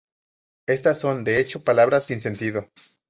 Estas son, de hecho, palabras sin sentido.